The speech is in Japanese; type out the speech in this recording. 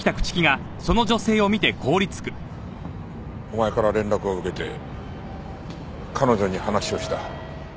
お前から連絡を受けて彼女に話をした。